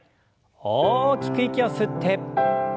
大きく息を吸って。